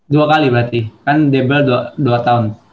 dua kali berarti kan debel dua tahun